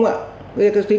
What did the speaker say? đúng không ạ